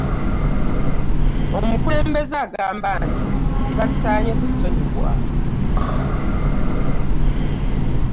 Omukulembeze agamba nti tebasaanye kusonyiwa.